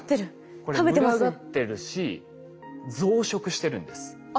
これ群がってるし増殖してるんです。